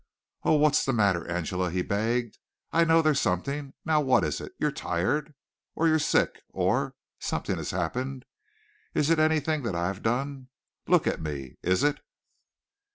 "Oh, what's the matter, Angela?" he begged. "I know there's something. Now what is it? You're tired, or you're sick, or something has happened. Is it anything that I have done? Look at me! Is it?"